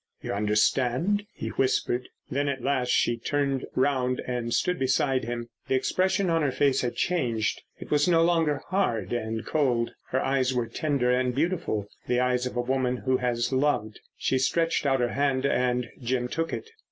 "You understand?" he whispered. Then at last she turned round and stood beside him. The expression on her face had changed. It was no longer hard and cold. Her eyes were tender and beautiful: the eyes of a woman who has loved. She stretched out her hand and Jim took it.